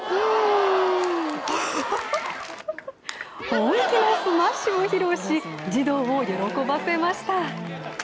本気のスマッシュを披露し児童を喜ばせました。